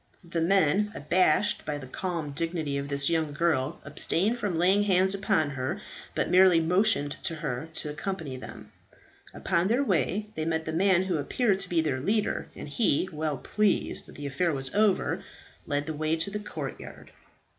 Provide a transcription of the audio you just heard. The men, abashed by the calm dignity of this young girl, abstained from laying hands upon her, but merely motioned to her to accompany them. Upon their way they met the man who appeared to be their leader, and he, well pleased that the affair was over, led the way to the courtyard.